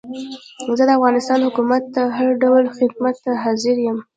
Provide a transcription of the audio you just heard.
زه د افغانستان حکومت ته هر ډول خدمت ته حاضر یم.